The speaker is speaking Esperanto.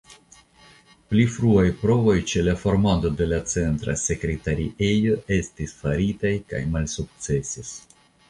Pli fruaj provoj ĉe la formado de centra sekretariejo estis faritaj kaj malsukcesis.